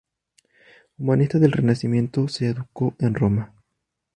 Humanista del Renacimiento, se educó en Roma.